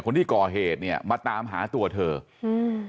คนที่ก่อเหตุเนี้ยมาตามหาตัวเธออืม